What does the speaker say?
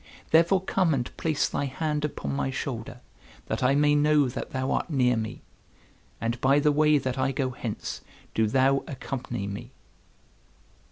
Therefore come and place thy hand upon my shoulder, that I may know that thou art near me. And by the way that I go hence do thou accompany me."